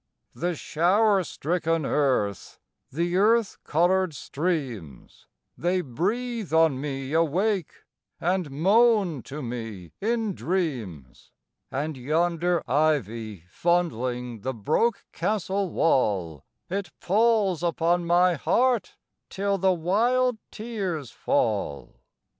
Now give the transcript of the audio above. The shower stricken earth, the earth colored streams, They breathe on me awake, and moan to me in dreams, And yonder ivy fondling the broke castle wall, It pulls upon my heart till the wild tears fall.